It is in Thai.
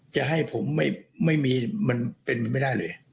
จะให้ผมไม่มีมันเป็นไม่ได้เลย